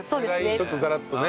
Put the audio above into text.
ちょっとザラッとね。